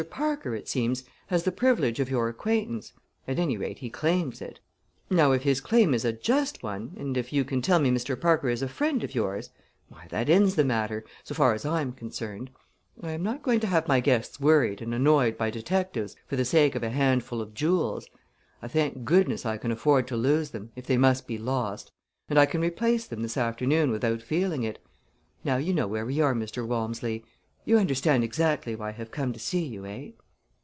Parker, it seems, has the privilege of your acquaintance at any rate he claims it. Now if his claim is a just one, and if you can tell me Mr. Parker is a friend of yours why, that ends the matter, so far as I am concerned. I am not going to have my guests worried and annoyed by detectives for the sake of a handful of jewels. I thank goodness I can afford to lose them, if they must be lost, and I can replace them this afternoon without feeling it. Now you know where we are, Mr. Walmsley. You understand exactly why I have come to see you, eh?"